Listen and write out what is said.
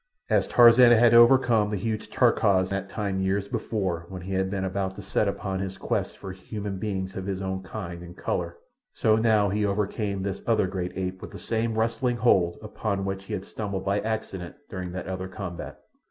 As Tarzan had overcome the huge Terkoz that time years before when he had been about to set out upon his quest for human beings of his own kind and colour, so now he overcame this other great ape with the same wrestling hold upon which he had stumbled by accident during that other combat.